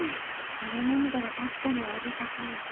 あの涙は確かに大げさかも。